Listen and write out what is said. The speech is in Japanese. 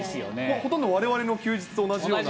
ほとんどわれわれの休日と同じような。